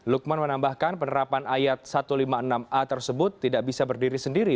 lukman menambahkan penerapan ayat satu ratus lima puluh enam a tersebut tidak bisa berdiri sendiri